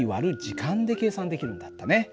時間で計算できるんだったね。